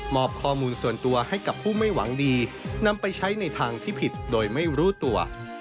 อบข้อมูลส่วนตัวให้กับผู้ไม่หวังดีนำไปใช้ในทางที่ผิดโดยไม่รู้ตัว